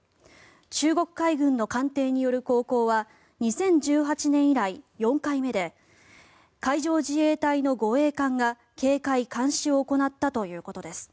中国海軍の艦艇による航行は２０１８年以来４回目で海上自衛隊の護衛艦が警戒監視を行ったということです。